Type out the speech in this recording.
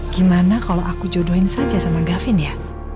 gimana kalau aku jodohin saja sama gavin ya